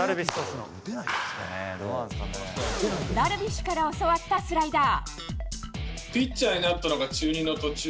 ダルビッシュから教わったスライダー。